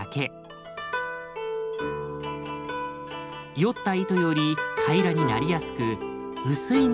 よった糸より平らになりやすく薄い布に仕上がります。